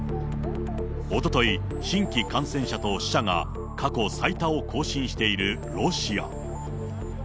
おととい、新規感染者と死者が過去最多を更新しているロシア。